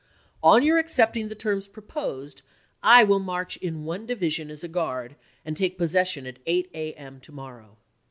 On your accepting the terms proposed, I will march in one division as a guard, and take possession at 8 A. M. to morrow.